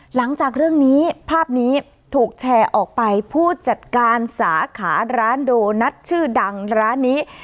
หลังจากเรื่องนี้ภาพนี้ถูกแชร์ออกไปผู้จัดการสาขาร้านโดนัทชื่อดังร้านนี้